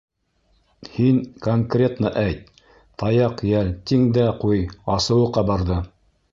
Һин конкретно әйт, таяҡ йәл, тиң дә ҡуй,-асыуы ҡабарҙы.